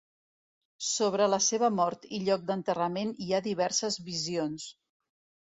Sobre la seva mort i lloc d'enterrament hi ha diverses visions.